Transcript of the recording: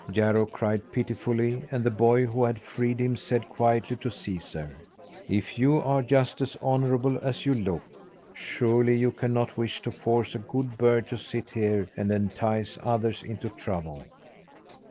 Jarro cried pitifully; and the boy who had freed him said quietly to Caesar: "If you are just as honourable as you look, surely you cannot wish to force a good bird to sit here and entice others into trouble."